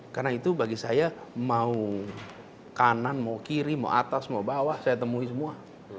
karena itu bagi saya mau kanan mau kiri mau atas mau bawah saya temui semua